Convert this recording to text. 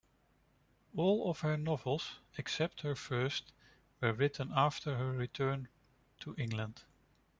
All of her novels, except her first, were written after her return to England.